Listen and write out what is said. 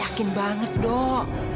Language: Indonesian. yakin banget dok